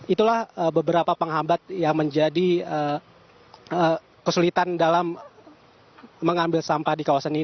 itulah beberapa penghambat yang menjadi kesulitan dalam mengambil sampah di kawasan ini